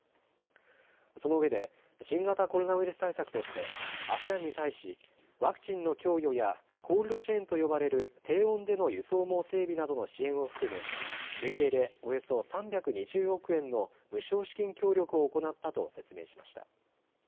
そのうえで新型コロナウイルス対策としてＡＳＥＡＮに対しワクチンの供与やコールドチェーンと呼ばれる低温での輸送網整備などの支援を含む累計でおよそ３２０億円の無償資金協力を行ったと説明しました。